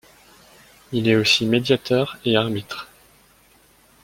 Il est aussi médiateur et arbitre.